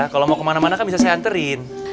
kalau mau kemana mana kan bisa saya anterin